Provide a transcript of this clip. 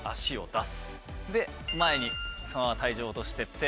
で前にそのまま体重を落としていって。